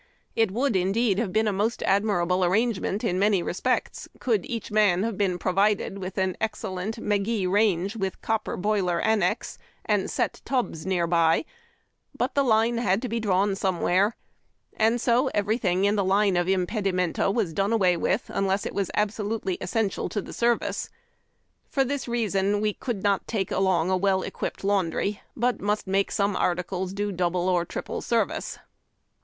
It CLEANING UP. LIFE IN LOG HUTS. 85 ■would indeed have been a most admirable arrangement in many respects could each man have been provided with an excellent Magee Range with copper boiler annex, and set tubs near by ; but the line had to be drawn somewhere, and so everything in the line of impedimenta was done away with, unless it was absolutely essential to the service. For this reason we could not take along a well equipped laundry, but must make some articles do double or triple service.